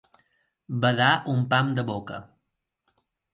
Badar un pam de boca.